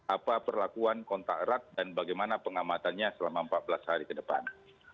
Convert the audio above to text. apa perlakuan kontak erat dan bagaimana pengamatannya selama empat belas hari ke depan